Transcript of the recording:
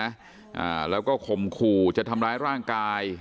อ่าแล้วก็ข่มขู่จะทำร้ายร่างกาย